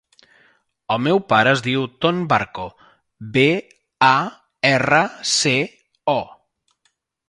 El meu pare es diu Ton Barco: be, a, erra, ce, o.